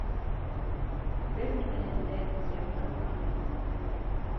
Бер нәмәнән дә йәм тапмай.